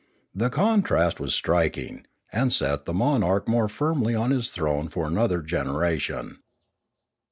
The contrast was striking, and set the mon arch more firmly on his throne for another generation.